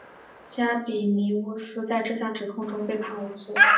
加比尼乌斯在这项指控中被判无罪。